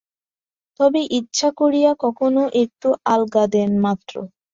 তবে ইচ্ছা করিয়া কখনও একটু আলগা দেন মাত্র।